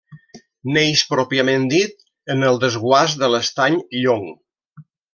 Neix pròpiament dit en el desguàs de l'Estany Llong.